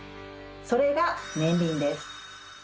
それが年輪です。